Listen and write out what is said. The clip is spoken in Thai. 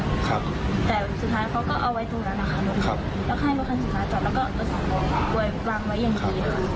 แต่สุดท้ายเขาก็เอาไว้ตรงนั้นนะครับ